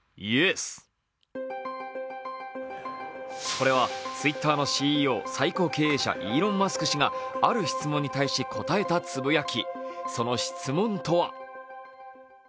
これはツイッターのＣＥＯ＝最高経営責任者、イーロン・マスク氏がある質問に対し、答えたつぶやき。